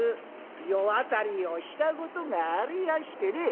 世渡りをしたことがありやしてね」。